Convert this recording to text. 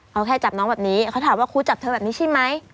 เอาแค่จับน้องแบบนี้เขาถามว่าครูจับเธอแบบนี้ใช่ไหม